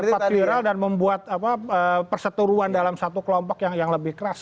sempat viral dan membuat perseturuan dalam satu kelompok yang lebih keras